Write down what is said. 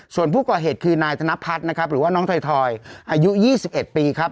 ส่วนผู้ก่อเหตุคือนายธนพัฒน์นะครับหรือว่าน้องถอยอายุ๒๑ปีครับ